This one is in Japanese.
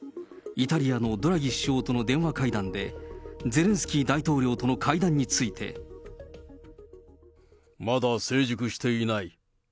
イタリアのドラギ首相との電話会談で、ゼレンスキー大統領との会談について。まだ成熟していない。